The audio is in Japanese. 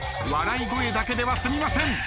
笑い声だけでは済みません。